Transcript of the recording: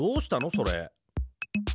それ。